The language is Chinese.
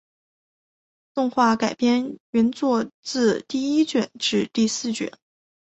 动画改编原作自第一卷至第四卷。